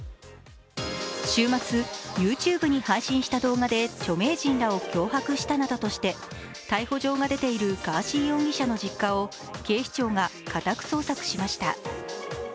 週末、ＹｏｕＴｕｂｅに配信した動画で著名人らを脅迫したなどとして逮捕状が出ているガーシー容疑者の実家を警視庁が家宅捜索しました。